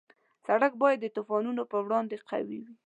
سړک باید د طوفانونو په وړاندې قوي وي.